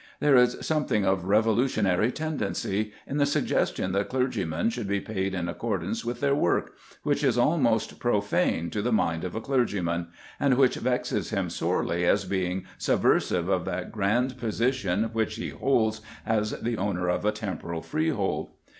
There is a something of revolutionary tendency in the suggestion that clergymen should be paid in accordance with their work, which is almost profane to the mind of a clergyman, and which vexes him sorely as being subversive of that grand position which he holds as the owner of a temporal freehold.